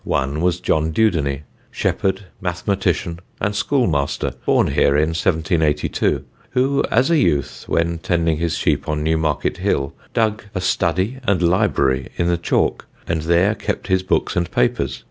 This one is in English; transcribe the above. One was John Dudeney, shepherd, mathematician, and schoolmaster, born here in 1782, who, as a youth, when tending his sheep on Newmarket Hill, dug a study and library in the chalk, and there kept his books and papers.